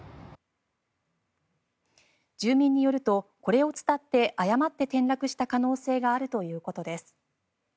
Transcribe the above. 住民によるとこれを伝って誤って転落した可能性があるということです。